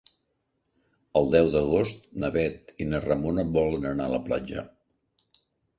El deu d'agost na Bet i na Ramona volen anar a la platja.